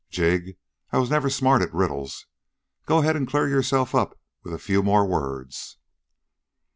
"Jig, I was never smart at riddles. Go ahead and clear yourself up with a few more words."